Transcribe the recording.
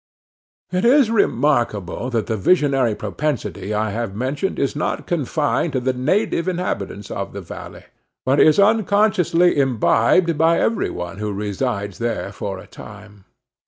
It is remarkable that the visionary propensity I have mentioned is not confined to the native inhabitants of the valley, but is unconsciously imbibed by every one who resides there for a time.